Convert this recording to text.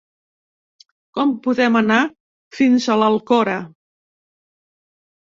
Com podem anar fins a l'Alcora?